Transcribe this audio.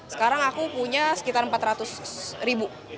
sekarang aku punya sekitar empat ratus ribu